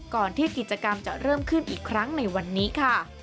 ก่อนที่กิจกรรมจะเริ่มขึ้นอีกครั้งในวันนี้ค่ะ